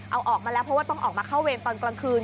เอาออกมาแล้วเพราะว่าต้องออกมาเข้าเวรตอนกลางคืน